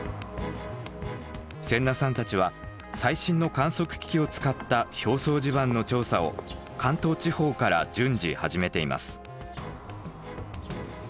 先名さんたちは最新の観測機器を使った表層地盤の調査を関東地方から順次始めています。